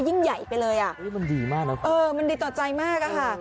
ยิ่งใหญ่ไปเลยอ่ะมันดีมากเนอะเออมันดีต่อใจมากอะค่ะ